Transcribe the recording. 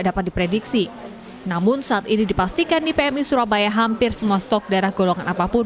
dapat diprediksi namun saat ini dipastikan di pmi surabaya hampir semua stok darah golongan apapun